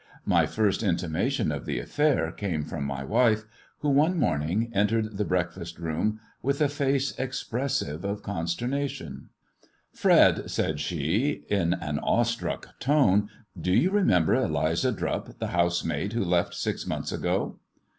My first intimation of the affair came from my wife, who one morning entered the breakfast room with a face expressive of consternation. THE RAINBOW CAMELLIA 315 "Fred," said she, in an awestruck tone, "do you remember Eliza Drupp the housemaid who left six months igo